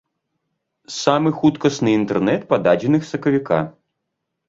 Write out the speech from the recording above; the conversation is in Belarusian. Самы хуткасны інтэрнэт па дадзеных сакавіка.